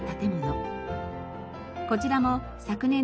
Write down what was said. こちらも昨年度